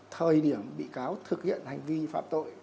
thời điểm bị cáo thực hiện hành vi phạm tội